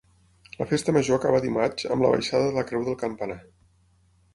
La Festa Major acaba dimarts amb la baixada de la creu del campanar.